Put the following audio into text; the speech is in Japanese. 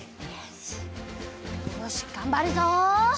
よしがんばるぞ！